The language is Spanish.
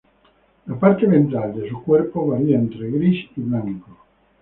La parte ventral de su cuerpo varía entre gris y blanco.